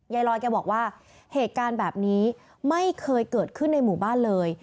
ยายลอยแกบอกว่าเหตุการณ์แบบนี้ไม่เคยเกิดขึ้นในหมู่บ้านเลย